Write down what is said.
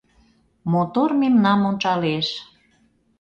Мотор мемнам ончалеш.